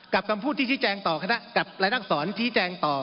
กับคำพูดที่ชี้แจงต่อกับรายนักสรรค์ชี้แจงต่อ